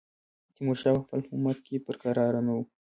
تیمورشاه په خپل حکومت کې پر کراره نه وو.